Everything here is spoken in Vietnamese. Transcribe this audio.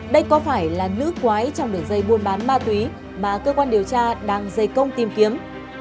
đây có phải là nữ quái trong đường dây buôn bán ma túy mà cơ quan điều tra đang dây công tìm kiếm